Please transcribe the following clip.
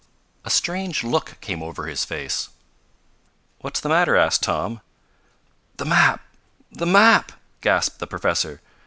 A strange look came over his face. "What's the matter?" asked Tom. "The map the map!" gasped the professor.